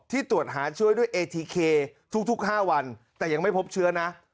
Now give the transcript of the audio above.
ตรวจหาเชื้อด้วยเอทีเคทุก๕วันแต่ยังไม่พบเชื้อนะ